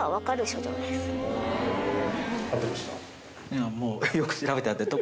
いやもう。